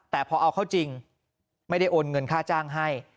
แต่พอเอาเข้าจริงไม่ได้โอนเงินค่าจ้างให้